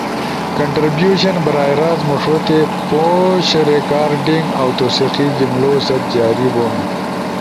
کنٹربیوشن براہ راست مݜوتے پوش ریکارڈنگ اؤ توثیقی جملؤ ست جاری بونو۔